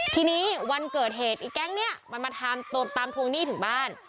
ทีนี้วันเกิดเหตุไอ้แก๊งนี้มันมาตามทวงหนี้ถึงบ้าน